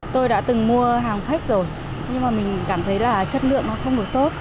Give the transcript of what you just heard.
tôi đã từng mua hàng khách rồi nhưng mà mình cảm thấy là chất lượng nó không được tốt